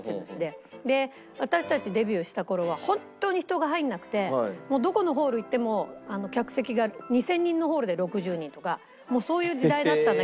私たちデビューした頃は本当に人が入らなくてもうどこのホール行っても客席が２０００人のホールで６０人とかそういう時代だったんだけど。